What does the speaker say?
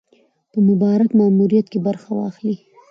په مبارک ماموریت کې برخه واخلي.